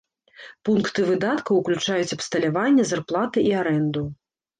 Пункты выдаткаў уключаюць абсталяванне, зарплаты і арэнду.